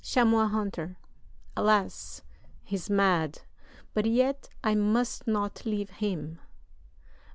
"CHAMOIS HUNTER. Alas! he's mad but yet I must not leave him.